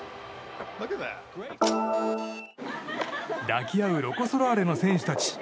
抱き合うロコ・ソラーレの選手たち。